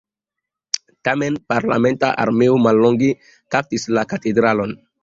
Tamen parlamenta armeo mallonge kaptis la katedralon.